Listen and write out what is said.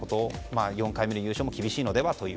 ４回目の優勝も厳しいのではと。